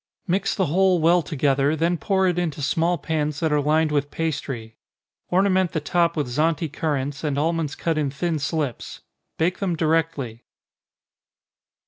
Mix the whole well together, then pour it into small pans that are lined with pastry. Ornament the top with Zante currants, and almonds cut in thin slips bake them directly.